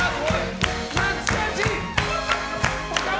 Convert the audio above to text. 懐かしい！